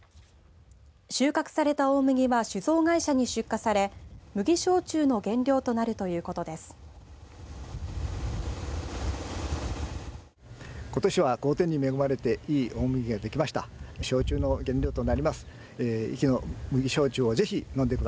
収穫された大麦は酒造会社に出荷され麦焼酎の原料となるということです。